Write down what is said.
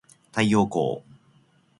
太陽光